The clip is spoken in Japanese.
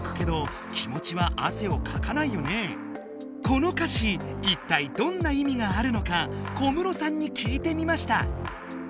この歌詞いったいどんな意味があるのか小室さんに聞いてみました。